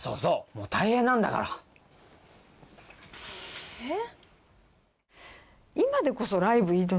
もう大変なんだからえっ？